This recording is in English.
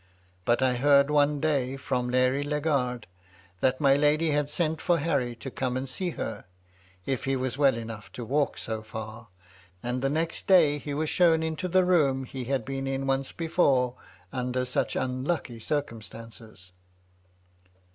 But I heard one day, from Mary Legard, that my lady had sent for Harry to come and see her, if he was well enough to walk so fisur; and the next day he was shown into the room he had been in once before under such unlucky circumstances.